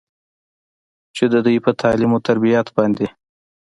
چې د دوي پۀ تعليم وتربيت باندې